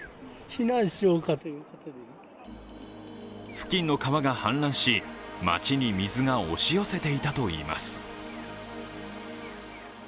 付近の川が氾濫し、街に水が押し寄せていたといいます。